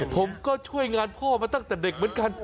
ผมก็ช่วยงานพ่อมาตั้งแต่เด็กเหมือนกัน